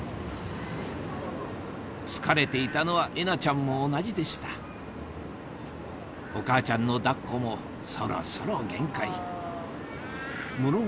疲れていたのはえなちゃんも同じでしたお母ちゃんの抱っこもそろそろ限界無論